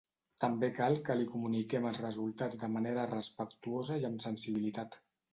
També cal que li comuniquem els resultats de manera respectuosa i amb sensibilitat.